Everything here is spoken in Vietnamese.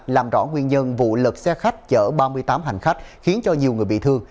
làm rõ nguyên nhân vụ lật xe khách chở ba mươi tám hành khách khiến cho nhiều người bị thương